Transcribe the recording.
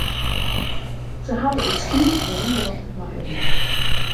Se hawwe it skiep werombrocht nei it lân.